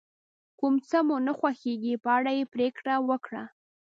کوم څه مو نه خوښیږي په اړه یې پرېکړه وکړه.